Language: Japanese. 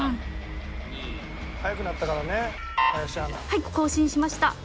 はい更新しました。